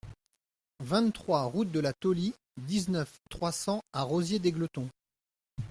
vingt-trois route de la Taulie, dix-neuf, trois cents à Rosiers-d'Égletons